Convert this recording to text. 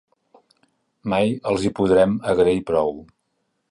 Mai els hi podrem agrair prou.